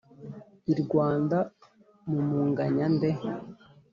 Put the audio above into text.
I Rwanda mumunganya nde”?